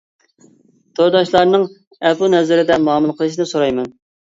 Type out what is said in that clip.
تورداشلارنىڭ ئەپۇ نەزىرىدە مۇئامىلە قىلىشىنى سورايمەن.